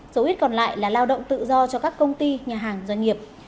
số ít còn lại là lao động tự do cho các công ty nhà hàng doanh nghiệp